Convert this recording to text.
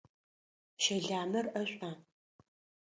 Щэламэр ӏэшӏуа?